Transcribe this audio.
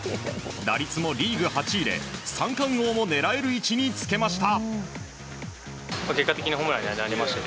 打率もリーグ８位で三冠王も狙える位置につけました。